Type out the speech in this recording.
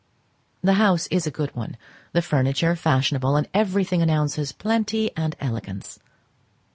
The house is a good one, the furniture fashionable, and everything announces plenty and elegance.